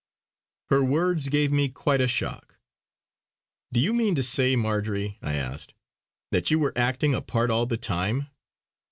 Her words gave me quite a shock. "Do you mean to say Marjory," I asked, "that you were acting a part all the time?"